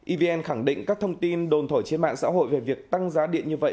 evn khẳng định các thông tin đồn thổi trên mạng xã hội về việc tăng giá điện như vậy